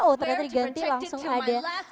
oh ternyata diganti langsung ada